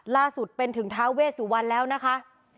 ล่าสุดเป็นถึงท้าเวสุวรรณแล้วนะคะ